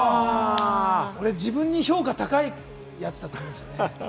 自分に評価高いやつだと思うんですよね。